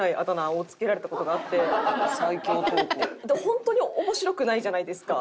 本当に面白くないじゃないですか。